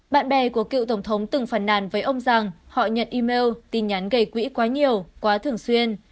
bạn bè của cựu tổng thống từng phàn nàn với ông rằng họ nhận email tin nhắn gây quỹ quá nhiều quá thường xuyên